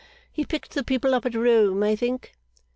He picked the people up at Rome, I think?